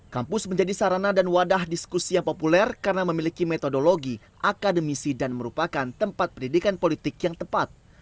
kampus menjadi sarana dan wadah diskusi yang populer karena memiliki metodologi akademisi dan merupakan tempat pendidikan politik yang tepat